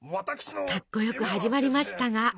かっこよく始まりましたが。